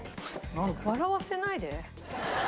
笑わせないで。